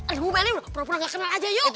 aduh meli berapa berapa gak kenal aja yuk